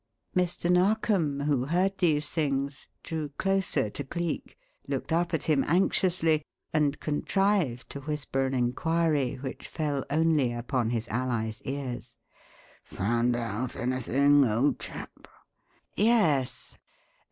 Mr. Narkom, who heard these things, drew closer to Cleek, looked up at him anxiously, and contrived to whisper an inquiry which fell only upon his ally's ears. "Found out anything, old chap?" "Yes.